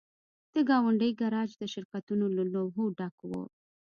د ګاونډۍ ګراج د شرکتونو له لوحو ډک و